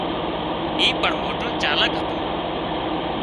اي پڻ موٽو چالاڪ هتو